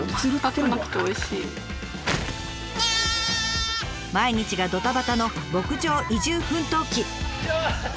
毎日がドタバタの牧場移住奮闘記。